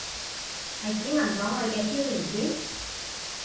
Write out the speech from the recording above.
係指文檔裏嘅超連接？